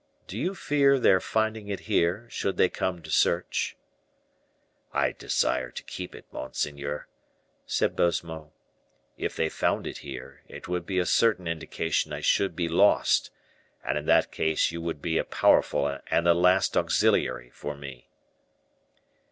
Do you fear their finding it here, should they come to search?" "I desire to keep it, monseigneur," said Baisemeaux. "If they found it here, it would be a certain indication I should be lost, and in that case you would be a powerful and a last auxiliary for me."